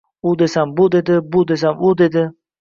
U desam bu dedi, bu desam u dedi